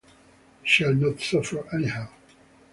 We shall not suffer anyhow.